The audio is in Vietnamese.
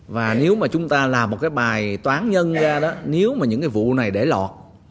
và nếu mà chúng ta làm một bài toán nhân ra nếu mà những vụ này để lọt